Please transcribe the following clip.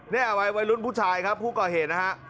เนี่ยวัยรุ่นผู้ชายครับผู้ก่อเหตุนะฮะ